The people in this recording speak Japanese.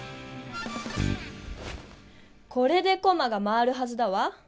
これでコマが回るはずだわ！